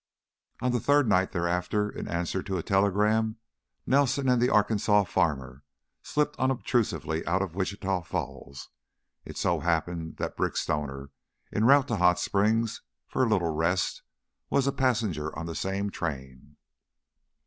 On the third night thereafter, in answer to a telegram, Nelson and the Arkansas farmer slipped unobtrusively out of Wichita Falls. It so happened that Brick Stoner, en route to Hot Springs for a little rest, was a passenger on the same train.